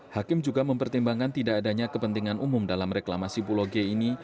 hakim juga mempertimbangkan tidak adanya kepentingan umum dalam reklamasi pulau g ini